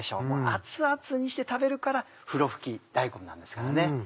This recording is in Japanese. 熱々にして食べるからふろふき大根なんですからね。